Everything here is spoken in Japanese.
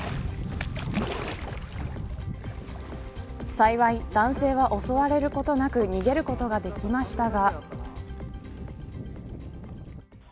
幸い、男性は襲われることなく逃げることができましたが。